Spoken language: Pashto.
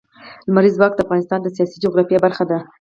لمریز ځواک د افغانستان د سیاسي جغرافیه برخه ده.